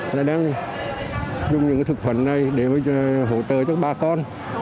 đã đem dùng những thực phẩm này để hỗ trợ cho bà con